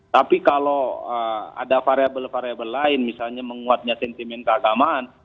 tapi kalau ada variable variable lain misalnya menguatnya sentimen keagamaan